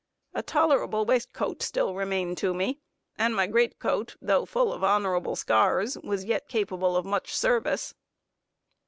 A tolerable waistcoat still remained to me, and my great coat, though full of honorable scars, was yet capable of much service.